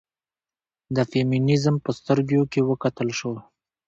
د فيمنيزم په سترګيو کې وکتل شو